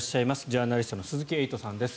ジャーナリストの鈴木エイトさんです。